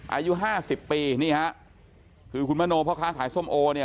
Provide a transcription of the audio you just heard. อายุห้าสิบปีนี่ฮะคือคุณมโนพ่อค้าขายส้มโอเนี่ย